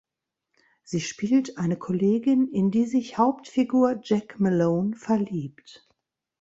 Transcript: Sie spielt eine Kollegin, in die sich Hauptfigur Jack Malone verliebt.